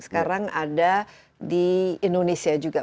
sekarang ada di indonesia juga